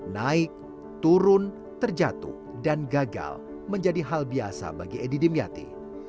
naik turun terjatuh dan gagal menjadi hal biasa bagi edi dimyati